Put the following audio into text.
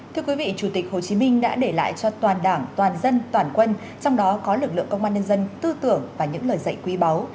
thưa quý vị chủ tịch hồ chí minh đã để lại cho toàn đảng toàn dân toàn quân trong đó có lực lượng công an nhân dân tư tưởng và những lời dạy quý báu